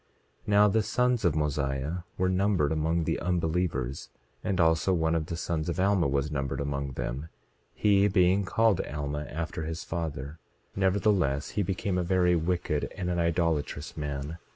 27:8 Now the sons of Mosiah were numbered among the unbelievers; and also one of the sons of Alma was numbered among them, he being called Alma, after his father; nevertheless, he became a very wicked and an idolatrous man.